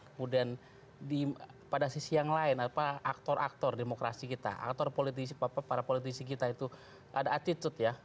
kemudian pada sisi yang lain aktor aktor demokrasi kita aktor para politisi kita itu ada attitude ya